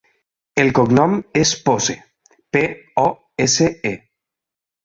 El cognom és Pose: pe, o, essa, e.